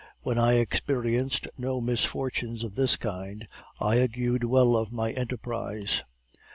When I experienced no misfortunes of this kind, I augured well of my enterprise.